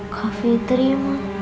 kak fitri ma